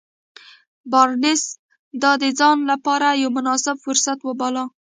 بارنس دا د ځان لپاره يو مناسب فرصت وباله.